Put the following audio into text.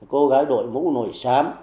cô gái đội ngũ nổi xám